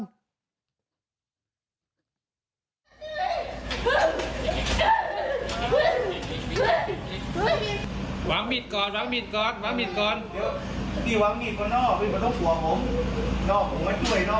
เดี๋ยวพี่วางมีดก่อนนอกเป็นกระทบขัวผม